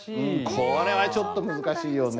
これはちょっと難しいよね。